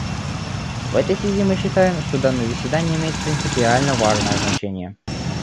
В этой связи мы считаем, что данное заседание имеет принципиально важное значение.